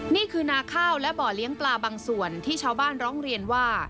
นี่คือนาข้าวและบ่อเลี้ยงปลาบางส่วนที่ชาวบ้านร้องเรียนว่า